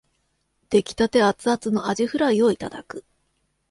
出来立てアツアツのあじフライをいただく